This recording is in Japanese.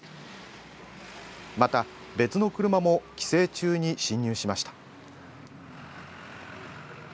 また、別の車も規制中に進入しました。